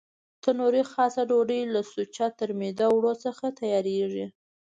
تنوري خاصه ډوډۍ له سوچه ترمیده اوړو څخه تیارېږي.